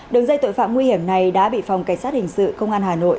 đường dây tội phạm nguy hiểm này đã bị phòng cảnh sát hình sự công an hà nội